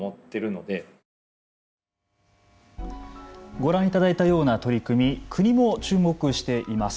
ご覧いただいたような取り組み国も注目しています。